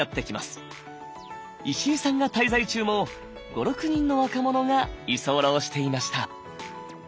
石井さんが滞在中も５６人の若者が居候していました。